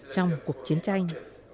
trong cuộc chiến tranh